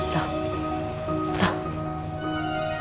ga tahu aku